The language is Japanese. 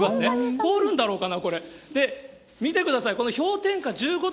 凍るんだろうかな？